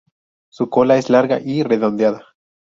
Su cola es larga y redondeada.